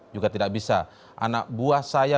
juga tidak bisa anak buah saya